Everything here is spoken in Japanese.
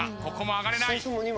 ここも上がれない。